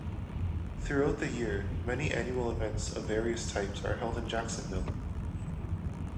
Throughout the year, many annual events of various types are held in Jacksonville.